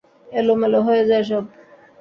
এলোমেলো হয়ে যায় সব।